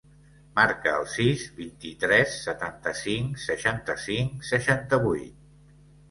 Marca el sis, vint-i-tres, setanta-cinc, seixanta-cinc, seixanta-vuit.